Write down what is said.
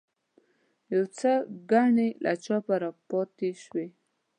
یو څو ګڼې له چاپه پاتې شوې.